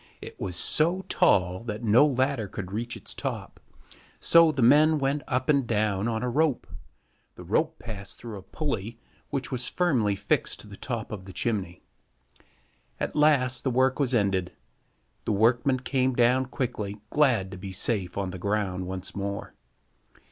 It was so tall that no ladder could reach its top, so the men went up and down on a rope. The rope passed through a pulley which was firmly fixed to the top of the chimney. At last the work was ended. The workmen came down quickly, glad to be safe on the ground once more.